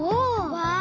わあ！